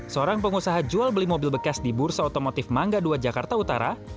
seorang pengusaha jual beli mobil bekas di bursa otomotif mangga ii jakarta utara